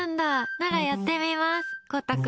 ならやってみます。